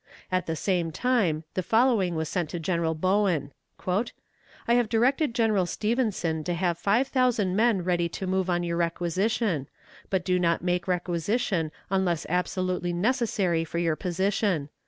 At the same time the following was sent to General Bowen: "I have directed General Stevenson to have five thousand men ready to move on your requisition, but do not make requisition unless absolutely necessary for your position.